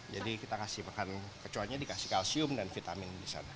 jadi kita kasih makan kecoanya dikasih kalsium dan vitamin disana